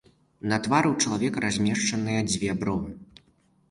На твары ў чалавека размешчаныя дзве бровы.